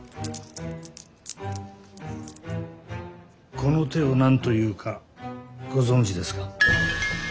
この手を何と言うかご存じですか？